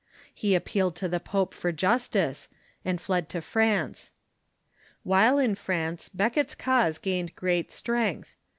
He appealed to the pope for justice, and fled to France. While in France, Becket's cause gained great strength.